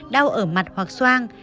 đau ở mặt hoặc soang